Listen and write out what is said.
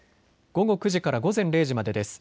午後９時から午前０時までです。